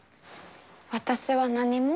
私は何も。